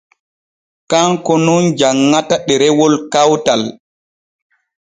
Kanko nun janŋata ɗerewol kawtal.